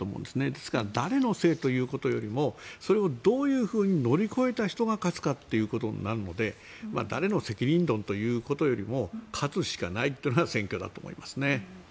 ですから誰のせいということよりもそれをどう乗り越えた人が勝つかということになるので誰の責任論ということよりも勝つしかないというのが選挙だと思いますね。